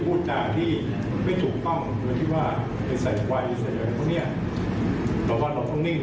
นอกจากที่ได้แล้วโรงเรียนจะรับผิดชอบทั้งหมด